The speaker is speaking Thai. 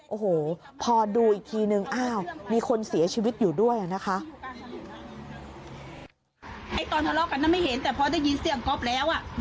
โอ้โฮพอดูอีกทีหนึ่งมีคนเสียชีวิตอยู่ด้วยนะคะ